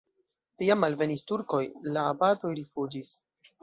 Tiam alvenis turkoj, la abatoj rifuĝis.